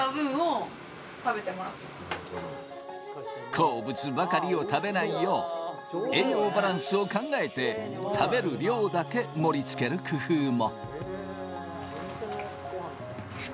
好物ばかりを食べないよう栄養バランスを考えて、食べる量だけ盛りつける工夫も。